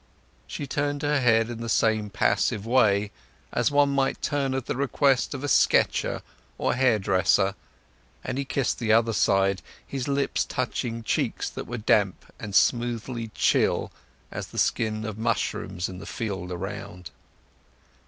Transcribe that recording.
She turned her head in the same passive way, as one might turn at the request of a sketcher or hairdresser, and he kissed the other side, his lips touching cheeks that were damp and smoothly chill as the skin of the mushrooms in the fields around.